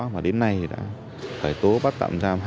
và đến nay đã khởi tố bắt tạm giam